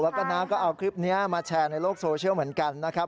แล้วก็น้าก็เอาคลิปนี้มาแชร์ในโลกโซเชียลเหมือนกันนะครับ